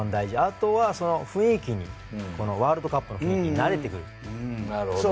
あとは、雰囲気にワールドカップの雰囲気に慣れてくる。